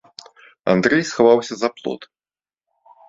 Андрэй схаваўся за плот.